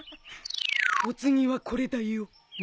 お次はこれだよ。